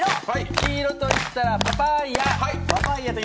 黄色といったらパパイヤ。